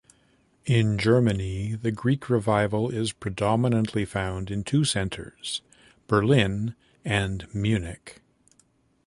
In Germany, the Greek revival is predominantly found in two centres, Berlin and Munich.